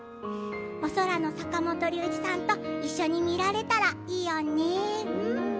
お空の坂本龍一さんと一緒に見られたらいいよね。